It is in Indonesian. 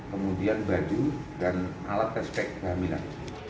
kemudian baju dan alat respek kehamilan